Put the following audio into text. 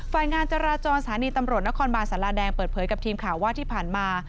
ฝ่ายงานจราจรสถานีตำรวจนครบานสาราแดงเปิดเผยกับทีมข่าวว่าที่ผ่านมา